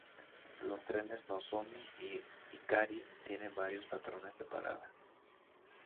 Los trenes "Nozomi" y "Hikari" tienen varios patrones de parada.